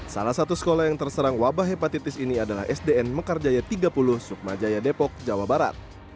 salah satu sekolah yang terserang wabah hepatitis ini adalah sdn mekarjaya tiga puluh sukmajaya depok jawa barat